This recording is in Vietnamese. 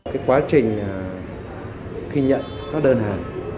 cái quá trình khi nhận các đơn hàng